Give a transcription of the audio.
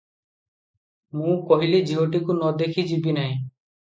ମୁଁ କହିଲି ଝିଅଟିକୁ ନ ଦେଖି ଯିବି ନାହି ।